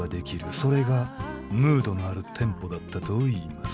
それがムードのあるテンポだったといいます「」